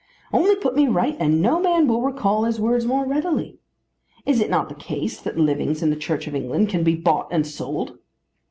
"Only put me right, and no man will recall his words more readily. Is it not the case that livings in the Church of England can be bought and sold?"